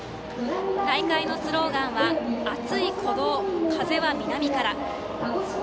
大会のスローガンは「熱い鼓動風は南から」。